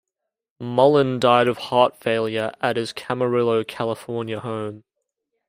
Mullin died of heart failure at his Camarillo, California home.